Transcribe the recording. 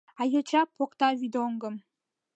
А йоча покта вӱдоҥгым: